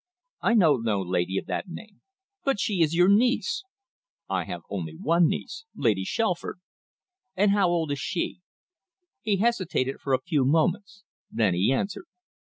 "I know no lady of that name." "But she is your niece." "I have only one niece Lady Shalford." "And how old is she?" He hesitated for a few moments. Then he answered.